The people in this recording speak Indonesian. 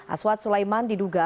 aswat sulaiman diduga